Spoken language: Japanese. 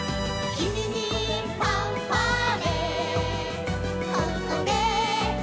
「ここでファンファーレ」